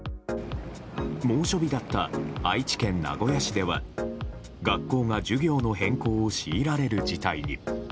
猛暑日だった愛知県名古屋市では学校が授業の変更を強いられる事態に。